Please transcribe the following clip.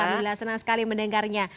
alhamdulillah senang sekali mendengarnya